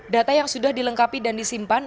data yang sudah dilengkapi dan disimpan